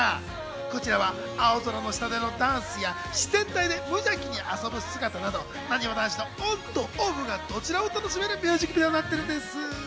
こちらは青空の下でのダンスや自然体で無邪気に遊ぶ姿など、なにわ男子のオンとオフがどちらも楽しめるミュージックビデオになってるんです。